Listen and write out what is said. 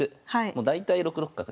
もう大体６六角。